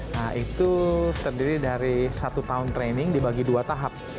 nah itu terdiri dari satu tahun training dibagi dua tahap